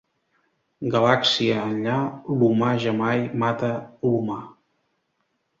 Galàxia enllà, l’humà jamai mata l’humà.